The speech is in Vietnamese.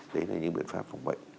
đấy là những biện pháp phòng bệnh